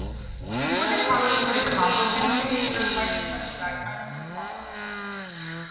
Before the congress could accomplish anything, it required a set of guidelines to follow.